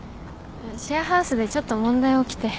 シェアハウスでちょっと問題起きて。